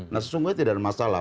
nah sesungguhnya tidak ada masalah